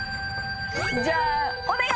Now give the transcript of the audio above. じゃあお願い！